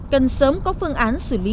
cần sớm có phương án xử lý